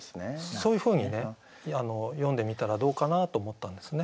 そういうふうに詠んでみたらどうかなと思ったんですね。